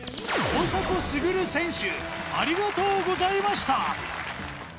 大迫傑選手ありがとうございました